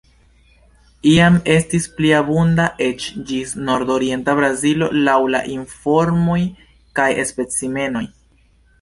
Iam estis pli abunda eĉ ĝis nordorienta Brazilo laŭ la informoj kaj specimenoj.